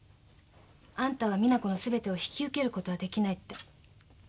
「あんたは実那子のすべてを引き受けることはできない」って。